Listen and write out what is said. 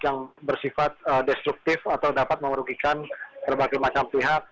yang bersifat destruktif atau dapat merugikan berbagai macam pihak